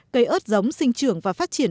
cây ớt giống sinh trưởng và phát triển